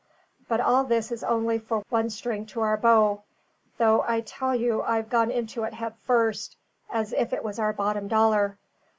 But all this is only the one string to our bow though I tell you I've gone into it head first, as if it was our bottom dollar.